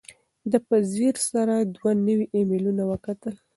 ده په ځیر سره دوه نوي ایمیلونه وکتل.